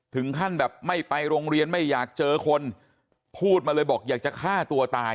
ถึงขั้นแบบไม่ไปโรงเรียนไม่อยากเจอคนพูดมาเลยบอกอยากจะฆ่าตัวตาย